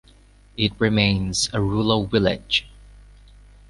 It remains a rural village.